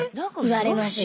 言われます